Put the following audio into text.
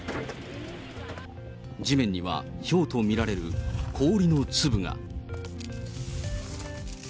地面にはひょうと見られる氷の粒が。